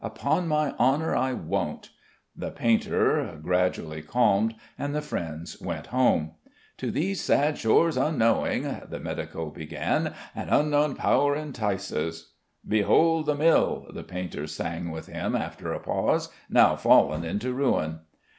Upon my honour, I won't." The painter gradually calmed, and the friends went home. "To these sad shores unknowing" the medico began "An unknown power entices...." "'Behold the mill,' the painter sang with him after a pause, 'Now fallen into ruin.'